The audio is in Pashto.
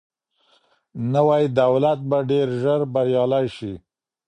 نوی دولت به ډیر ژر بریالی سي.